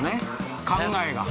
考えが。